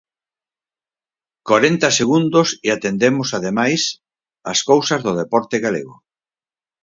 Corenta segundos e atendemos, ademais, as cousas do deporte galego.